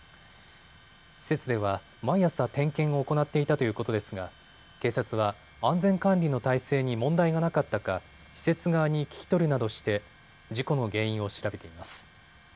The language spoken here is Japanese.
施設では毎朝、点検を行っていたということですが警察は安全管理の体制に問題がなかったか施設側に聴き取るなどして事故の原因を調べています。